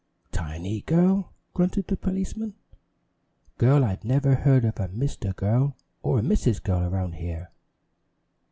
"Tiny Girl!" grunted the policeman. "Girl! I've never heard of a Mr. Girl or a Mrs. Girl around here!